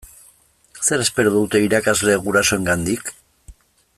Zer espero dute irakasleek gurasoengandik?